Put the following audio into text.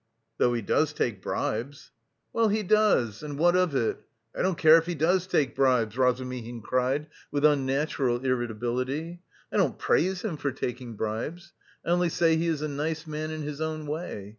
"Though he does take bribes." "Well, he does! and what of it? I don't care if he does take bribes," Razumihin cried with unnatural irritability. "I don't praise him for taking bribes. I only say he is a nice man in his own way!